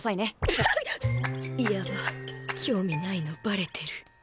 ぐはっ⁉心の声やば興味ないのバレてる。